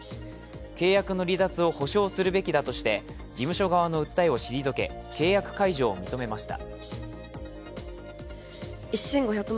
契約の離脱を保障するべきだとして事務所側の訴えを退け契約解除を認めました。